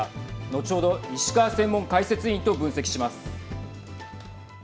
後ほど、石川専門解説委員と分析します。